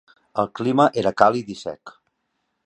El clima era càlid i sec.